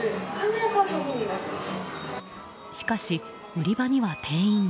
しかし売り場には店員が。